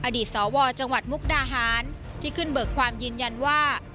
อดีตสวจังหวัดมุกดาหารที่ขึ้นเบิกความยืนยันว่า